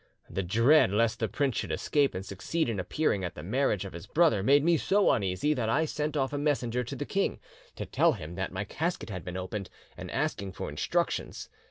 "'The dread lest the prince should escape and succeed in appearing at the marriage of his brother made me so uneasy, that I sent off a messenger to the king to tell him that my casket had been opened, and asking for instructions.